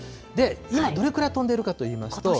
今、どれぐらい飛んでいるかといいますと。